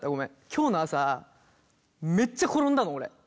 今日の朝めっちゃ転んだの俺。